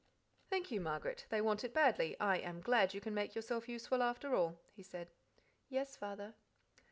"Thank you, Margaret: they wanted it badly. I am glad you can make yourself useful, after all," he said. "Yes, Father."